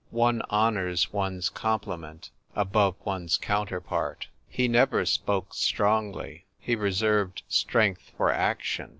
One honours one's complement above one's counterpart. He never spoke strongly; he reserved strength for action.